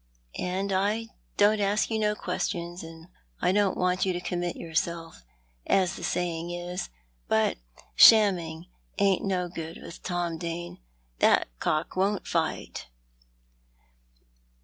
I don't ask you no questions, and I don't want you to commit yourself, as the saying is, but shamming ain't no good with Tom Dane. That cock won't fight."